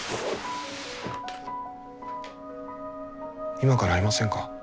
今から会いませんか？